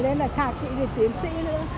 lên là thạc sĩ việt tiến sĩ nữa